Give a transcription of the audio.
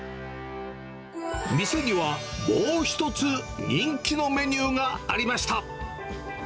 店にはもう一つ、人気のメニューがありました。